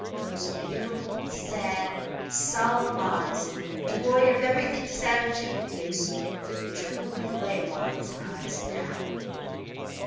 Those beautiful, sad, solemn eyes, void of everything savage and fierce, were truly Leoline's eyes now.